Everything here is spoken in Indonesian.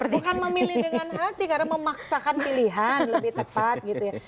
bukan memilih dengan hati karena memaksakan pilihan lebih tepat gitu ya